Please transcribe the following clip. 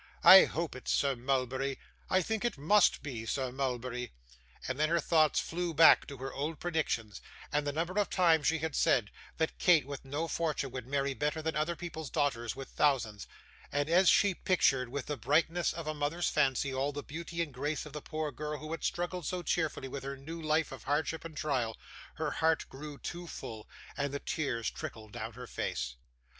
I hope it's Sir Mulberry I think it must be Sir Mulberry!' And then her thoughts flew back to her old predictions, and the number of times she had said, that Kate with no fortune would marry better than other people's daughters with thousands; and, as she pictured with the brightness of a mother's fancy all the beauty and grace of the poor girl who had struggled so cheerfully with her new life of hardship and trial, her heart grew too full, and the tears trickled down her face.